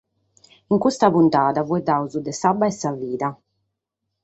In custa puntada faeddamus de s'abba e de sa vida.